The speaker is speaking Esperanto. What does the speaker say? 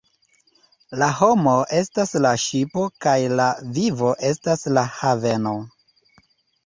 La homo estas la ŝipo kaj la vivo estas la haveno.